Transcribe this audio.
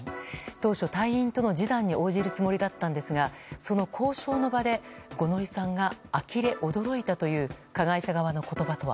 当初、隊員との示談に応じるつもりだったんですがその交渉の場で五ノ井さんがあきれ、驚いたという加害者側の言葉とは。